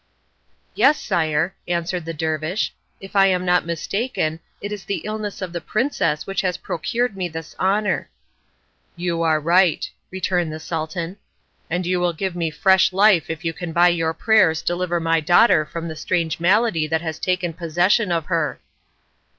"Yes, sire," answered the dervish; "if I am not mistaken, it is the illness of the princess which has procured me this honour." "You are right," returned the Sultan, "and you will give me fresh life if you can by your prayers deliver my daughter from the strange malady that has taken possession of her."